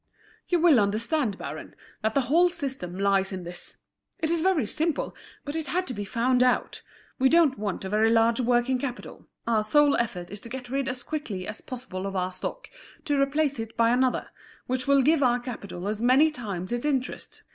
"You will understand, baron, that the whole system lies in this. It is very simple, but it had to be found out. We don't want a very large working capital; our sole effort is to get rid as quickly as possible of our stock to replace it by another, which will give our capital as many times its interest.